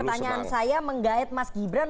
jadi pertanyaan saya menggait mas gibran